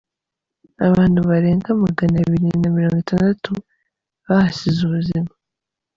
Abantu barenga magana abiri na mirongo itandatu bahasize ubuzima.